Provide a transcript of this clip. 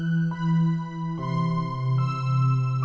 pindah dalem ya